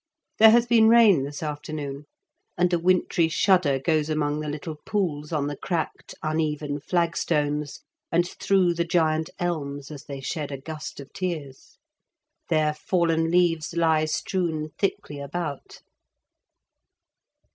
There has been rain this afternoon, and a wintry shudder goes among the little pools on the cracked uneven flagstones, and through the giant elms as they shed a gust of tears. Their fallen leaves lie strewn thickly about."